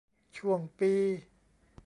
ช่วงปี